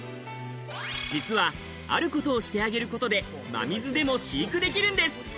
実は、あることをしてあげることで、真水でも飼育できるんです。